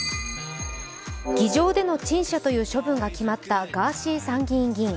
議場での陳謝という処分が決まったガーシー参議院議員。